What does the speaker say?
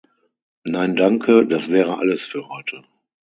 Nein danke, das wäre alles für heute.